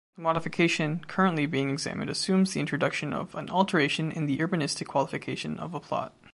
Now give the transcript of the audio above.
The modification currently being examined assumes the introduction of an alteration in the urbanistic qualification of a plot.